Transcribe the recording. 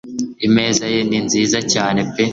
imeza ye ni nziza cyane pe